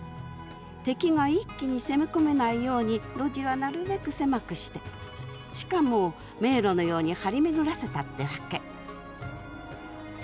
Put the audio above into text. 敵が一気に攻め込めないように路地はなるべく狭くしてしかも迷路のように張り巡らせたってわけ。